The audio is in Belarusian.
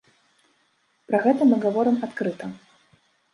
Пра гэта мы гаворым адкрыта.